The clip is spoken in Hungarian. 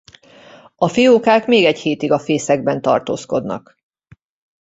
A fiókák még egy hétig a fészekben tartózkodnak.